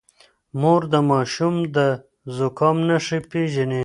مور د ماشوم د زکام نښې پېژني.